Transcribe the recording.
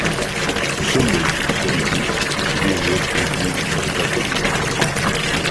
Le sommet du Xalibu se développe autour de ce batholite.